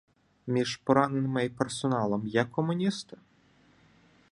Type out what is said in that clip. — Між пораненими і персоналом є комуністи?